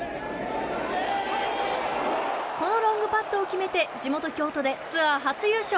このロングパットを決めて地元・京都でツアー初優勝。